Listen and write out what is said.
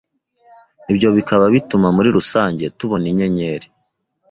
ibyo bikaba bituma muri rusange tubona inyenyeri